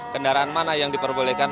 kendaraan mana yang diperbolehkan